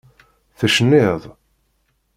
Tecnid.